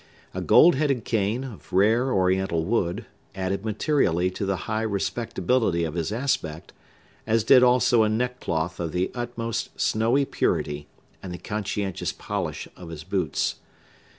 A gold headed cane, of rare Oriental wood, added materially to the high respectability of his aspect, as did also a neckcloth of the utmost snowy purity, and the conscientious polish of his boots.